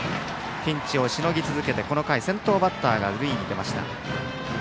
ピンチをしのぎ続けてこの回、先頭バッターが塁に出ました。